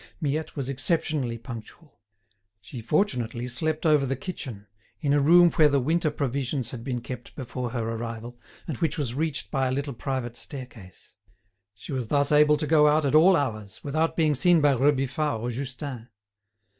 Miette was exceptionally punctual. She fortunately slept over the kitchen, in a room where the winter provisions had been kept before her arrival, and which was reached by a little private staircase. She was thus able to go out at all hours, without being seen by Rebufat or Justin.